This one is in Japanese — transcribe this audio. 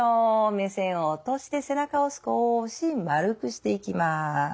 目線を落として背中を少し丸くしていきます。